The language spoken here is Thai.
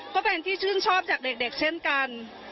ก็เป็นที่ชื่นชอบจากเด็กเช่นกัน